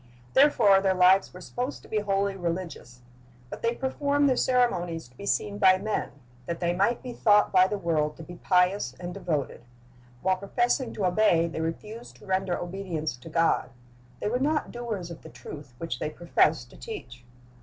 Therefore their lives were supposed to be wholly religious. But they performed their ceremonies to be seen by men, that they might be thought by the world to be pious and devoted. While professing to obey, they refused to render obedience to God. They were not doers of the truth which they professed to teach.